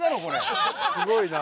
すごいな。